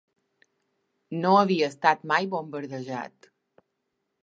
No havia estat mai bombardejat